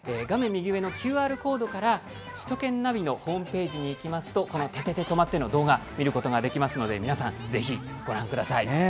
右上のＱＲコードから首都圏ナビのホームページにいきますとこの「ててて！とまって！」の動画、見ることができますので皆さんぜひ、ご覧ください。